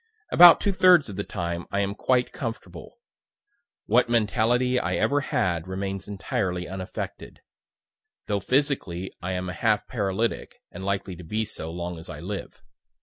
About two thirds of the time I am quite comfortable. What mentality I ever had remains entirely unaffected; though physically I am a half paralytic, and likely to be so, long as I live.